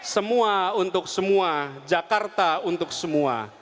semua untuk semua jakarta untuk semua